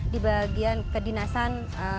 di bagian kedinasan